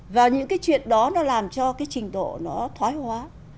và những cái chuyện đó nó làm cho cái trình độ nó thoái hóa